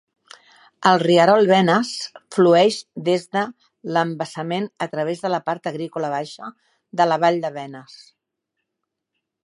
El rierol Wenas flueix des de l'embassament a través de la part agrícola baixa de la vall de Wenas.